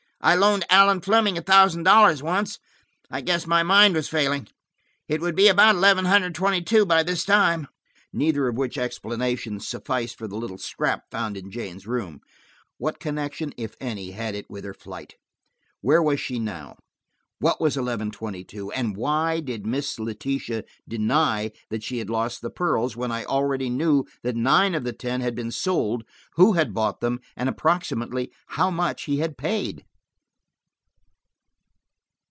I loaned Allan Fleming a thousand dollars once; I guess my mind was failing. It would be about eleven twenty two by this time." Neither of which explanations sufficed for the little scrap found in Jane's room. What connection, if any, had it with her flight? Where was she now? What was eleven twenty two? And why did Miss Letitia deny that she had lost the pearls, when I already knew that nine of the ten had been sold, who had bought them, and approximately how much he had paid?